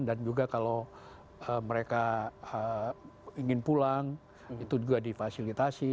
dan juga kalau mereka ingin pulang itu juga difasilitasi